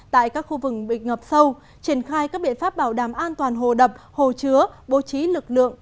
tại các khu vực bị ngập sâu triển khai các biện pháp bảo đảm an toàn hồ đập hồ chứa bố trí lực lượng